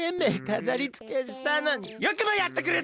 かざりつけしたのによくもやってくれたな！